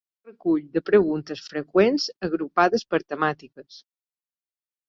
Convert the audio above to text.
Recull de preguntes freqüents agrupades per temàtiques.